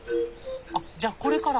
あっじゃこれから？